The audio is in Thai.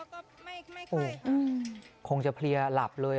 แม่ก็กลัวแล้วลูกนี่น่าสงสารนะ๓ขวบเองอ่ะคงจะเพลียหลับเลย